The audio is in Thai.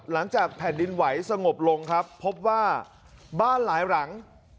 หลังจากแผ่นดินไหวสงบลงครับพบว่าบ้านหลายหลัง